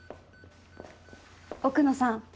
奥野さん。